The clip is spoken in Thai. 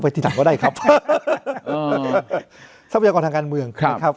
ที่ไหนก็ได้ครับทรัพยากรทางการเมืองครับ